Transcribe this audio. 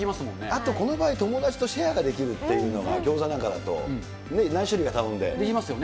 あとこの場合、友達とシェアができるっていうのが、ギョーザなんかだと、何種類できますよね。